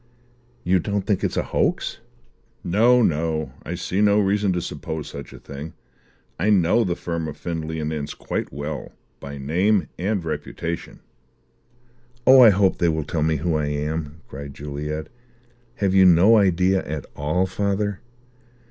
"You don't think it is a hoax?" "No, no; I see no reason to suppose such a thing. I know the firm of Findlay & Ince quite well by name and reputation." "Oh, I hope they will tell me who I am!" cried Juliet. "Have you no idea at all, father?"